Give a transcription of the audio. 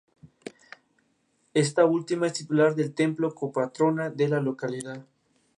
Están revestidas con azulejos blancos y su suelo está pavimentado con baldosas de terrazo.